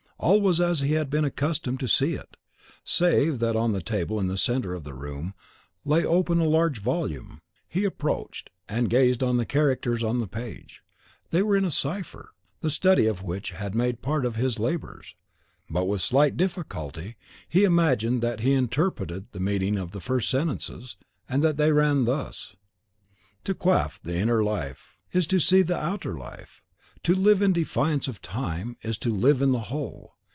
All was as he had been accustomed to see it, save that on a table in the centre of the room lay open a large volume. He approached, and gazed on the characters on the page; they were in a cipher, the study of which had made a part of his labours. With but slight difficulty he imagined that he interpreted the meaning of the first sentences, and that they ran thus: "To quaff the inner life, is to see the outer life: to live in defiance of time, is to live in the whole.